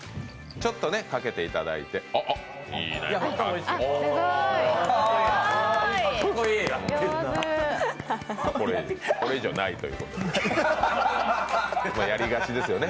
ちょっとかけていただいて、あ、いいね。